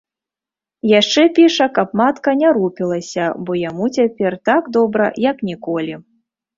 Яшчэ піша, каб матка не рупілася, бо яму цяпер так добра як ніколі.